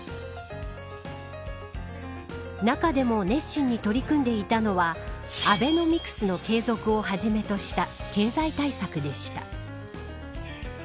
中でも熱心に取り組んでいたのはアベノミクスの継続をはじめとした経済対策でした。